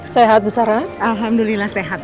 sehat bu sara alhamdulillah sehat